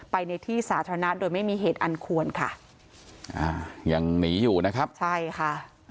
ในที่สาธารณะโดยไม่มีเหตุอันควรค่ะอ่ายังหนีอยู่นะครับใช่ค่ะ